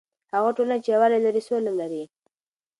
هغه ټولنه چې یووالی لري، سوله لري.